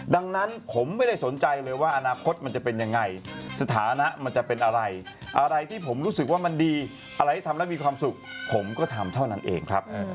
ดังนั้นผมไม่ได้สนใจเลยว่าอนาคตมันจะเป็นยังไงสถานะมันจะเป็นอะไรอะไรที่ผมรู้สึกว่ามันดีอะไรที่ทำแล้วมีความสุขผมก็ทำเท่านั้นเองครับ